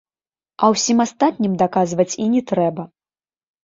А ўсім астатнім даказваць і не трэба.